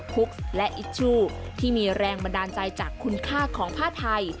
คุกและอิชชู่ที่มีแรงบันดาลใจจากคุณค่าของผ้าไทย